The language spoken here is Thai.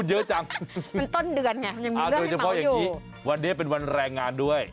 โดยเฉพาะอย่างนี้วันนี้เป็นวันแรงงานด้วย